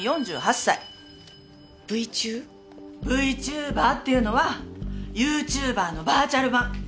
Ｖチューバーっていうのはユーチューバーのバーチャル版。